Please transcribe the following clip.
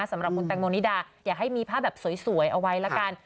สำหรับคุณแตงโมนิดาอย่าให้มีภาพแบบสวยเอาไว้ละกัน